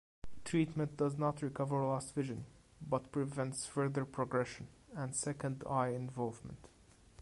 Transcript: Treatment does not recover lost vision, but prevents further progression and second eye involvement.